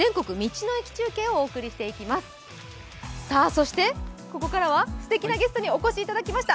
そして、ここからはすてきなゲストにお越しいただきました。